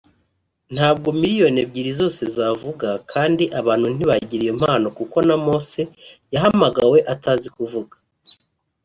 ntabwo miliyoni ebyiri zoze zavuga kandi abantu ntibagira iyo mpano kuko na Mose yahamagawe atazi kuvuga